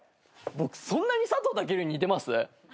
僕そんなに佐藤健に似てます？